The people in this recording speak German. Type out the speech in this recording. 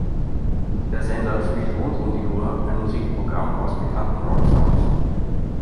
Der Sender spielt rund um die Uhr ein Musikprogramm aus bekannten Rocksongs.